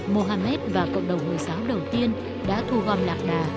mohammed và cộng đồng hồi giáo đầu tiên đã thu gom lạc đà